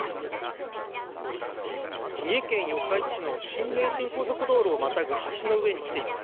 三重県四日市市の新名神高速道路をまたぐ橋の上に来ています。